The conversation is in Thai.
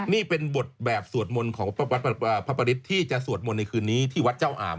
นี่เป็นบทแบบสวดมนต์ของพระปริศที่จะสวดมนต์ในคืนนี้ที่วัดเจ้าอาม